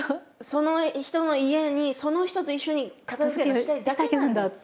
「その人の家にその人と一緒に片づけをしたいだけなんだ！」と。